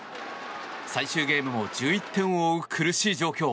最終ゲームも１１点を追う苦しい状況。